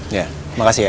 ya makasih ya